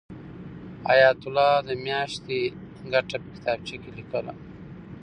حیات الله د میاشتې ګټه په کتابچه کې لیکله.